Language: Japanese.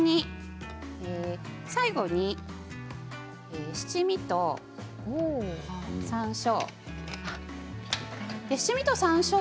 最後に七味と、さんしょう。